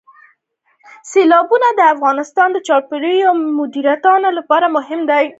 سیلابونه د افغانستان د چاپیریال د مدیریت لپاره مهم دي.